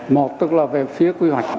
một tức là về phía quy hoạch